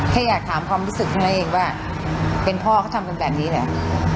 แค่อยากถามความรู้สึกเท่านั้นเองว่าเป็นพ่อเขาทำกันแบบนี้เหรอ